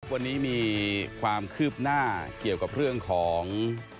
วันนี้มีความคืบหน้าเกี่ยวกับเรื่องของ